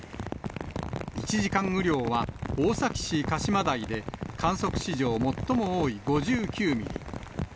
１時間雨量は、大崎市鹿島台で観測史上最も多い５９ミリ。